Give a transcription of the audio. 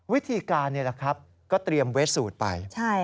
วิธีการนี่แหละครับก็เตรียมเวสสูตรไป